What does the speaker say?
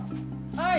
はい。